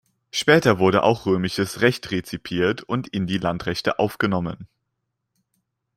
Später wurde auch römisches Recht rezipiert und in die Landrechte aufgenommen.